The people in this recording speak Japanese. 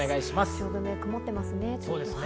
汐留は曇ってますね。